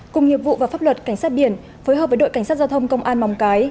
cùng nghiệp vụ và pháp luật cảnh sát biển phối hợp với đội cảnh sát giao thông công an mong cái